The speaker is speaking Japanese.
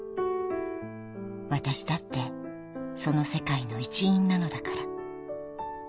［私だってその世界の一員なのだから］